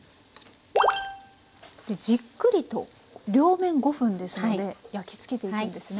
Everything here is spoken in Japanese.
じっくりと両面５分ですので焼き付けていくんですね。